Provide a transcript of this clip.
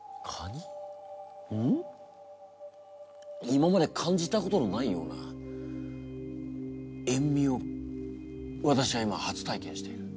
今まで感じたことのないような塩味をわたしは今初体験している。